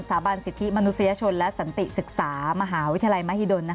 บรรสิทธิมนุษยชนและสันติศึกษามหาวิทยาลัยมหิดล